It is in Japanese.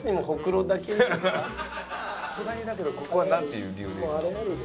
さすがにだけどここはなんていう理由でいくの？